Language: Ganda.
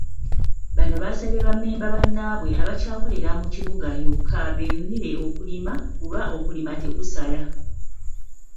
Bano basabye bammemba bannaabwe abakyakolera mu kibuga yokka beeyunire n'okulima kuba okulima tekusala.